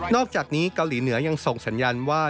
อกจากนี้เกาหลีเหนือยังส่งสัญญาณว่า